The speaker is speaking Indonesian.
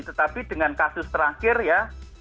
tetapi dengan kasus terakhir ya